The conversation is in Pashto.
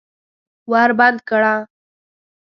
ور بند کړه!